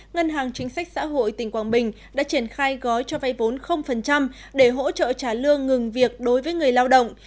ngân hàng chính sách xã hội tỉnh quảng bình đã triển khai gói cho vay vốn để hỗ trợ trả lương ngừng việc đối với người lao động